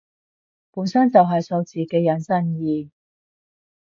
本身就係數字嘅引申義